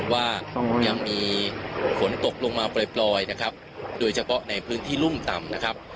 ว่ายังมีฝนตกลงมาปล่อยนะครับโดยเฉพาะในพื้นที่รุ่มต่ำนะครับ